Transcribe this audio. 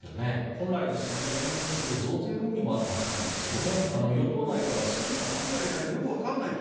本来ですと年末に増税論議もあったんですよね。